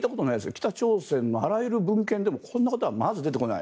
北朝鮮のあらゆる文献でもこんな言葉はまず出てこない。